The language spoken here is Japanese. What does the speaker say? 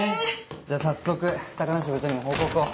じゃあ早速高梨部長にも報告を。